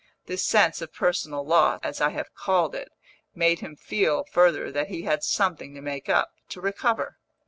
This sense of personal loss, as I have called it, made him feel, further, that he had something to make up, to recover.